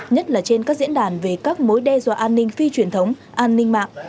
nhất là trên các diễn đàn về các mối đe dọa an ninh phi truyền thống an ninh mạng